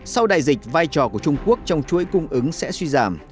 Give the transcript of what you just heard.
sau đại dịch vai trò của trung quốc trong chuỗi cung ứng sẽ suy giảm